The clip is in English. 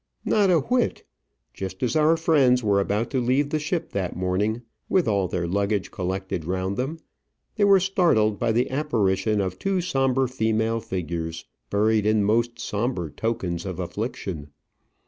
Not a whit! Just as our friends were about to leave the ship that morning, with all their luggage collected round them, they were startled by the apparition of two sombre female figures, buried in most sombre tokens of affliction.